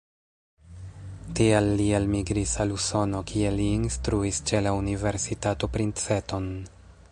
Tial li elmigris al Usono, kie li instruis ĉe la universitato Princeton.